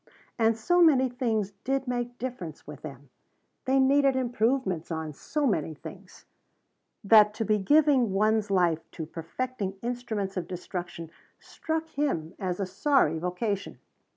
And so many things did make difference with them they needed improvements on so many things that to be giving one's life to perfecting instruments of destruction struck him as a sorry vocation.